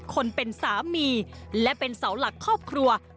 คนเป็นสามีและเป็นเสาหลักครอบครัว